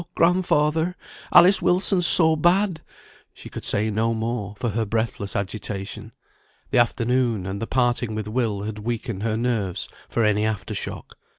grandfather! Alice Wilson's so bad!" She could say no more, for her breathless agitation. The afternoon, and the parting with Will, had weakened her nerves for any after shock.